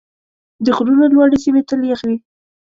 د غرونو لوړې سیمې تل یخ وي.